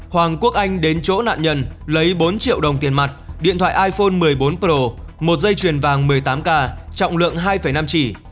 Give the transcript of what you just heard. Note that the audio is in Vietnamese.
hoàng quốc anh đến chỗ nạn nhân lấy bốn triệu đồng tiền mặt điện thoại iphone một mươi bốn pro một dây chuyền vàng một mươi tám k trọng lượng hai năm chỉ